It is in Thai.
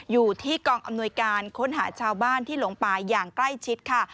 อยู่ที่กองอำนวยการค้นหาชาวบ้านที่หลงป่าอย่างใกล้ชิดค่ะ